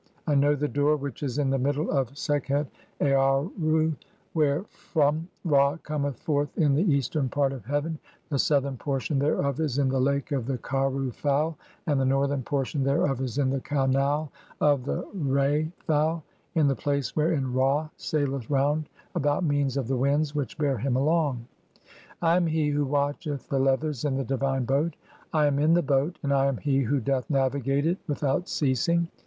I "know the door which is in the middle of Sekhet Aarru where "from (6) Ra cometh forth into the eastern part of heaven ; the "southern portion thereof is in the Lake of the Kharu fowl, "and the northern portion thereof is in the Canal of the Re 1. Or, "upon bread [made of] the finest grain." THE CHAPTER OF THE AATS. 265 "fowl, (7) in the place wherein Ra saileth round about by means "of the winds which bear him along. I am he who watcheth "the leathers in (8) the divine boat, I am in the boat, and I am "he who doth navigate it without ceasing.